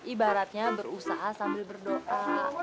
ibaratnya berusaha sambil berdoa